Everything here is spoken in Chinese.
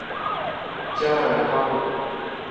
加尔拉韦。